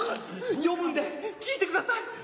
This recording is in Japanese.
読むんで聞いてください。